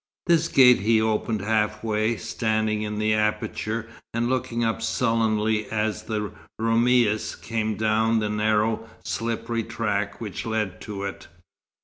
This gate he opened half way, standing in the aperture and looking up sullenly as the Roumis came down the narrow, slippery track which led to it.